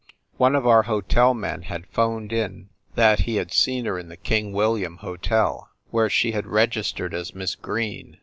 One of our hotel men had phoned in that he had seen her in the King William Hotel, where she had registered as Miss Green.